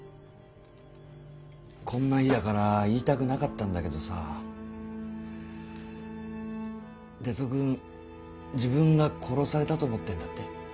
こんな日だから言いたくなかったんだけどさ徹生君自分が殺されたと思ってるんだって？